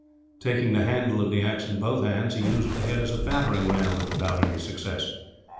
Taking the handle of the axe in both hands, he used the head as a battering ram; but without any success.